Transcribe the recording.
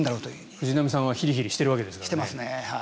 藤浪さんはひりひりしてるわけですからね。